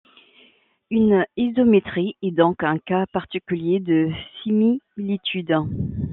Une isométrie est donc un cas particulier de similitude.